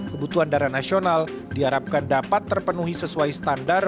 kebutuhan darah nasional diharapkan dapat terpenuhi sesuai standar